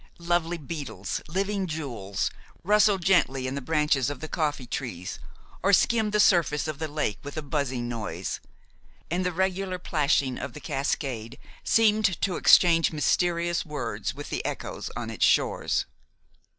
Lovely beetles, living jewels, rustled gently in the branches of the coffee trees, or skimmed the surface of the lake with a buzzing noise, and the regular plashing of the cascade seemed to exchange mysterious words with the echoes on its shores.